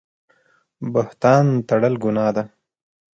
بهتان تړل ګناه ده